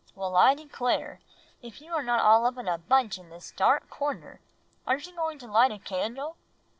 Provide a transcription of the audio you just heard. "Well, I declare, if you are not all up in a bunch in this dark corner. Aren't you going to light a candle?"